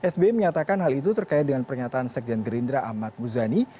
sbi menyatakan hal itu terkait dengan pernyataan sekjen gerindra ahmad muzani